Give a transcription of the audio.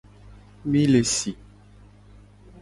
Mi le si.